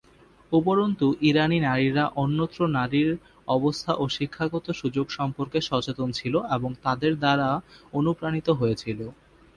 উপরন্তু, ইরানি নারীরা অন্যত্র নারীর অবস্থা ও শিক্ষাগত সুযোগ সম্পর্কে সচেতন ছিল এবং তাদের দ্বারা অনুপ্রাণিত হয়েছিল।